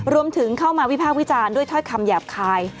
รวมถึงเข้ามาวิพากษ์วิจารณ์ด้วยถ้อยคำหยาบคาย